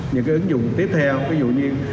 những cái ứng dụng tiếp theo ví dụ như